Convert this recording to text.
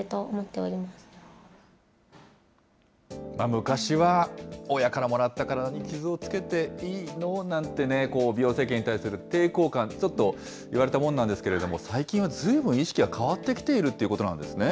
昔は、親からもらった体に傷を付けていいの？なんてね、美容整形に対する抵抗感、ちょっといわれたもんなんですけれども、最近はずいぶん、意識は変わってきているということなんですね。